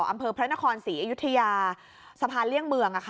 อำเภอพระนครศรีอยุธยาสะพานเลี่ยงเมือง